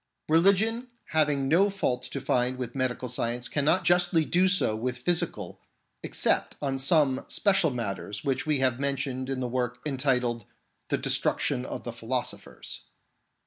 Religion having no fault to find with medical science cannot justly do so with physical, except on some special matters which we have mentioned in the work entitled The Destruction of the Philosophers.